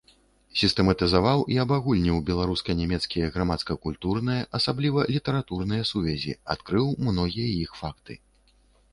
Сістэматызаваў і абагульніў беларуска-нямецкія грамадска-культурныя, асабліва літаратурныя сувязі, адкрыў многія іх факты.